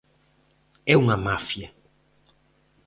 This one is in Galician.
É unha mafia.